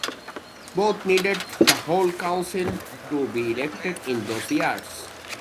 Both needed the whole council to be elected in those years.